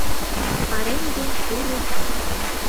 Пареҥге, пурыс